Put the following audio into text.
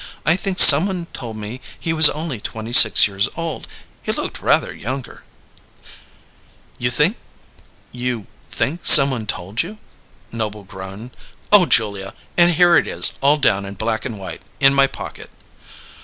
I think someone told me he was only twenty six years old. He looked rather younger." "You 'think someone told' you!" Noble groaned. "Oh, Julia! And here it is, all down in black and white, in my pocket!"